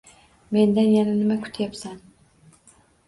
Mendan yana nima kutyabsan